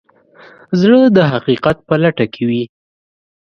زړه د حقیقت په لټه کې وي.